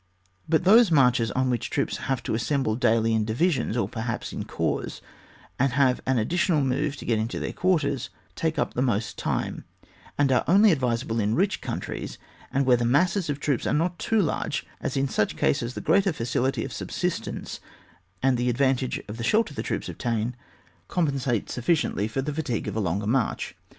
But those marches, on which troops have to assemble daily in divisions, or perhaps in corps, and have an additional move to get into quarters, take up the most time, and are only advisable in rich countries, and where the masses of troops are not too large, as in such cases the greater facilility of subsistence and the advantage of the shelter which the troops obtain compensate sufficiently for the 36 OX WAR. [book ▼. fatig; ue of a longer march.